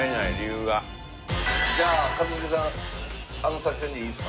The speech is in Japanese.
じゃあ一茂さんあの作戦でいいですか？